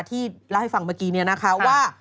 ที่เล่าให้ฟังเมื่อกี้เนี่ยนะคะว่า